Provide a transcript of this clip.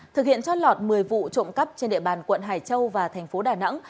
thực hiện trót lọt một mươi vụ trộm cắp trên địa bàn quận hải châu và thành phố đà nẵng